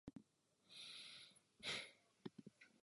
Průmysl je třikrát větší než zemědělství.